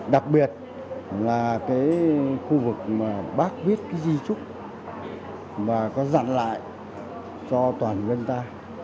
đặc biệt là cái khu vực mà bác viết cái di trúc mà có dặn lại cho toàn dân ta